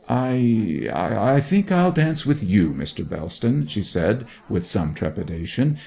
'I I think I'll dance with you, Mr. Bellston,' she said with some trepidation.